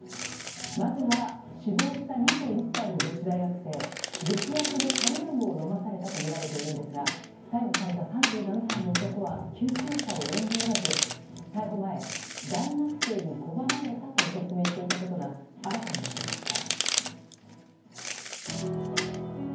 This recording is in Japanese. まずは死亡した２１歳の女子大学生劇薬のタリウムを飲まされたとみられているんですが逮捕された３７歳の男は救急車を呼んでおらず逮捕前、大学生に拒まれたと説明していたことが新に分かりました。